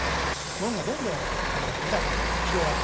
物がどんどん豊かに広がっていく。